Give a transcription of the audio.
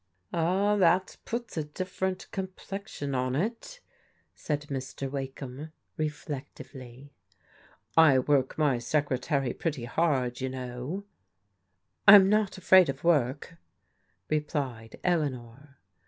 "Ah, that puts a diflferent complexion on it," said Mr. Wakeham reflectively. "I work my secretary pretty hard, you know." " I am not afraid of work," replied Eleanor.